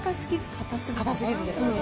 硬すぎずで。